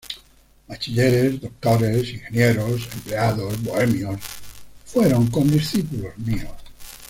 Bachilleres, doctores, ingenieros, empleados, bohemios, fueron condiscípulos míos.